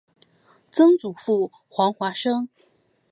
曾祖父黄华生。